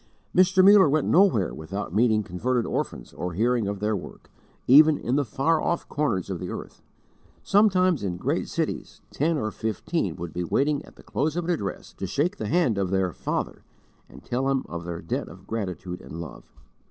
Mr. Muller went nowhere without meeting converted orphans or hearing of their work, even in the far off corners of the earth. Sometimes in great cities ten or fifteen would be waiting at the close of an address to shake the hand of their "father," and tell him of their debt of gratitude and love.